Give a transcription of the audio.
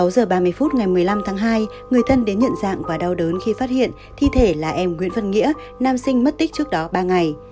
sáu giờ ba mươi phút ngày một mươi năm tháng hai người thân đến nhận dạng và đau đớn khi phát hiện thi thể là em nguyễn văn nghĩa nam sinh mất tích trước đó ba ngày